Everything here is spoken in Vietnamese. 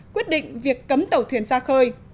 quyết định việc cấm tàu thuyền ra khơi